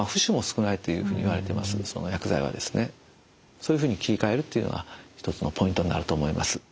そういうふうに切り替えるというのが一つのポイントになると思います。